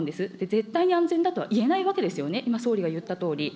絶対に安全だとは言えないわけですよね、今、総理が言ったとおり。